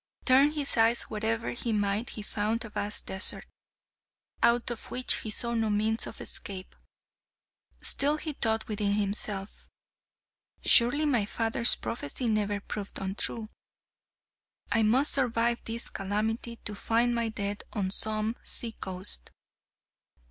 Turn his eyes wherever he might he found a vast desert, out of which he saw no means of escape. Still he thought within himself, "Surely my father's prophecy never proved untrue. I must survive this calamity to find my death on some sea coast."